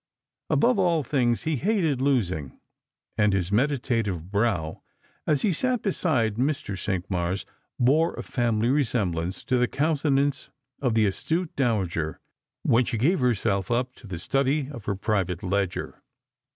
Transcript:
Above all things he hated losing, and his meditative brow, as he sat beside Mr. Cinqmars, bore a family resemblance to the countenance of the astute dowager when she gave herself up to the study of her private ledger.